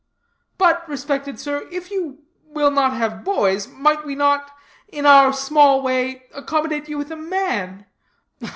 "But, respected sir, if you will not have boys, might we not, in our small way, accommodate you with a man?"